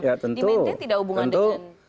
dimaintain tidak hubungan dengan